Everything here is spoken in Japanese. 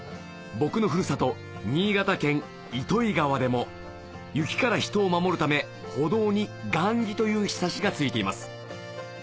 僕のふるさと新潟県糸魚川でも雪から人を守るため歩道に雁木という庇が付いています